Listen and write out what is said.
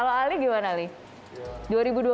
loh ibu kan lihat